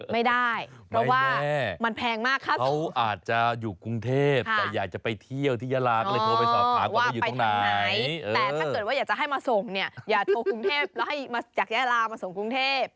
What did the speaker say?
ไหนแต่ถ้าเกิดว่าอยากจะให้มาส่งอย่าโทรกรุงเทพฯแล้วอยากยาลามาส่งกรุงเทพฯ